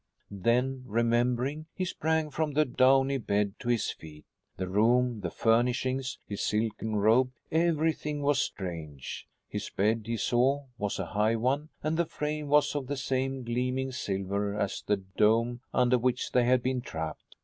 Then, remembering, he sprang from the downy bed to his feet. The room, the furnishings, his silken robe, everything was strange. His bed, he saw, was a high one, and the frame was of the same gleaming silver as the dome under which they had been trapped.